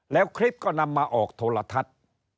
แล้วคลิปก็นำมาออกโทรทัศน์